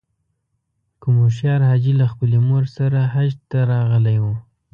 کوم هوښیار حاجي له خپلې مور سره حج ته راغلی و.